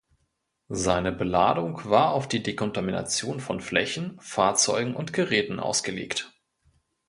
Seine Beladung war auf die Dekontamination von Flächen, Fahrzeugen und Geräten ausgelegt.